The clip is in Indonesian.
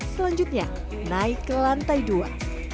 selanjutnya naik ke lantai dua